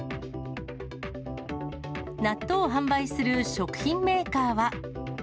納豆を販売する食品メーカーは。